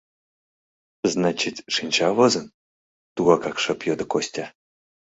— Значит, шинча возын? — тугакак шып йодо Костя.